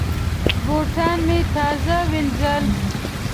بوټان مې تازه وینځل.